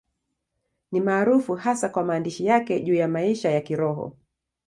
Ni maarufu hasa kwa maandishi yake juu ya maisha ya Kiroho.